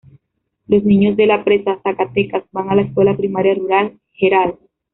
Los niños de La Presa, Zacatecas van a la escuela primaria rural Gral.